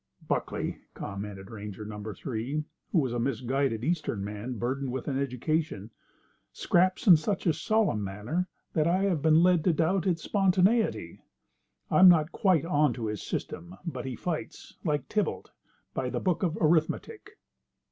"Buckley," commented Ranger No. 3, who was a misguided Eastern man, burdened with an education, "scraps in such a solemn manner that I have been led to doubt its spontaneity. I'm not quite onto his system, but he fights, like Tybalt, by the book of arithmetic."